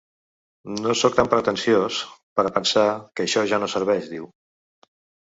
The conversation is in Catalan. No sóc tan pretensiós per a pensar que això ja no serveix, diu.